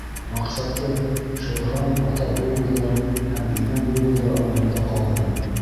Маҡсаты — Шер Хан ата буйволдар һәм инә буйволар араһында ҡалһын!